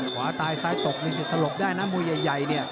ขวาตายซ้ายตกนี่จะสลบได้นะมวยใหญ่เนี่ย